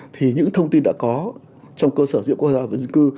thì những thông tin đã có trong cơ sở dữ liệu quốc gia và dân cư